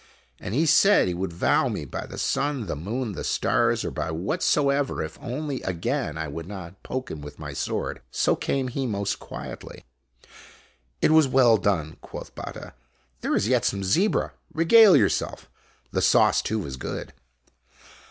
And he said he would 4 IMAGINOTIONS vow me by the sun, the moon, the stars, or by whatsoever, if only again I would not poke him with my sword. So came he most quietly." "It was well done," quoth Batta. "There is yet some zebra. Regale yourself. The sauce, too, is good."